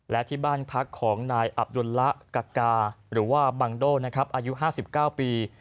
และที่บ้านพักของนายอับดุลละกักกาหรือว่าบังโดนะครับอายุ๕๙ปี